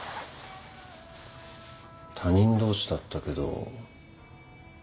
他人同士だったけど。